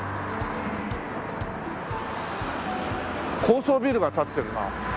高層ビルが立ってるな。